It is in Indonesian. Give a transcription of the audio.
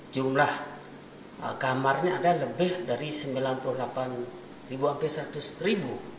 jumlah kamarnya ada lebih dari sembilan puluh delapan sampai seratus ribu